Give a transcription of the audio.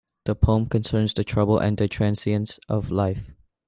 The poem concerns the troubles and transience of life.